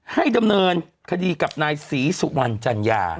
ให้ดำเนินคดีกับนายศรีสุวรรณจัญญา